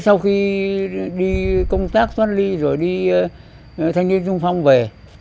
sau khi đi công tác toán ly rồi đi thanh niên trung phong về